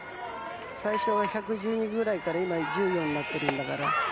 最初、１１０ぐらいから今、１１４になってるんだから。